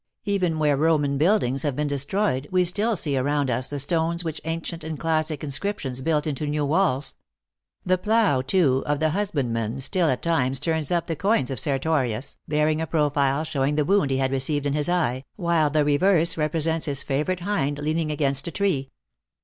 Even where Roman buildings have been destroyed we still see around us the stones with ancient and classic inscriptions built into new walls. The plough, too, of the husbandman still at times turns up the coins of Sertorius, bearing a profile showing the wound he had received in his eye, while the reverse represents his favorite hind leaning against a tree."